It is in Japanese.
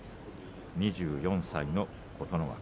２４歳の琴ノ若。